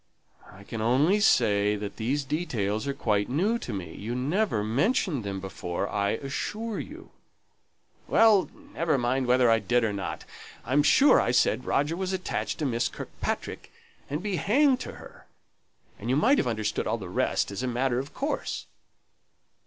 "I can only say that these details are quite new to me; you never mentioned them before, I assure you." "Well; never mind whether I did or not. I'm sure I said Roger was attached to Miss Kirkpatrick, and be hanged to her; and you might have understood all the rest as a matter of course."